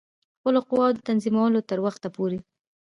خپلو قواوو د تنظیمولو تر وخته پوري.